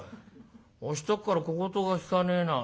明日っから小言がきかねえな。